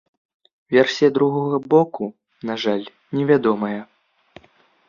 Версія другога боку, на жаль, невядомая.